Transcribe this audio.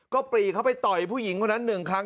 ก็ปรีเข้าไปต่อยผู้หญิงคนนั้น๑ครั้ง